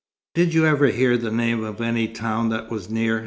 "Did you never hear the name of any town that was near?"